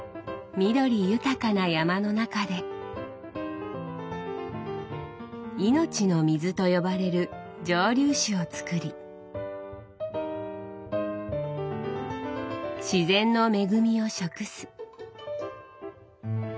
緑豊かな山の中で「命の水」と呼ばれる蒸留酒をつくり「自然の恵み」を食す。